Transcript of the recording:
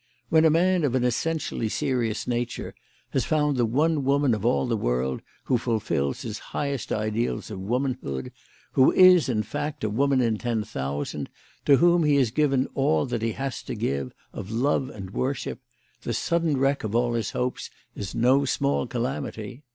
When a man of an essentially serious nature has found the one woman of all the world who fulfils his highest ideals of womanhood, who is, in fact, a woman in ten thousand, to whom he has given all that he has to give of love and worship, the sudden wreck of all his hopes is no small calamity.